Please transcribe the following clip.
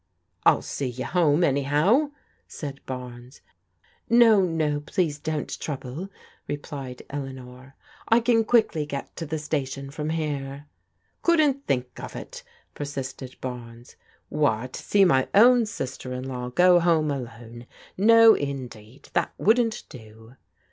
" I'll see you home, anyhow," said Barnes. " No, no, please don't trouble," replied Eleanor. " I can quickly get to the station from here." " Couldn't think of it," persisted Barnes. " What, see my own sister in law go home alone? No indeed, that wouldn't do."